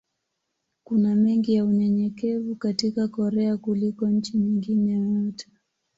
Kuna mengi ya unyenyekevu katika Korea kuliko nchi nyingine yoyote.